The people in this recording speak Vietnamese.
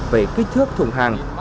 về kích thước thùng hàng